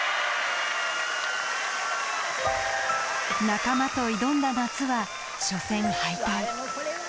仲間と挑んだ夏は初戦敗退